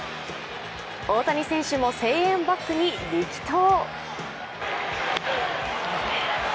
大谷選手も声援をバックに力投。